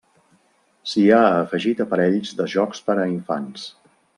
S'hi ha afegit aparells de jocs per a infants.